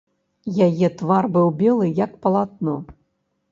Яе твар быў белы, як палатно.